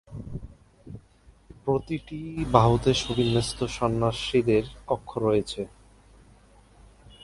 প্রতিটি বাহুতে সুবিন্যস্ত সন্ন্যাসীদের কক্ষ রয়েছে।